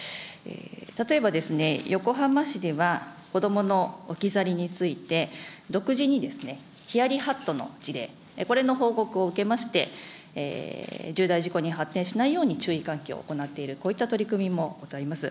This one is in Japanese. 例えば、横浜市では、子どもの置き去りについて、独自にヒヤリハットの事例、これの報告を受けまして、重大事故に発展しないように注意喚起を行っている、こういった取り組みもございます。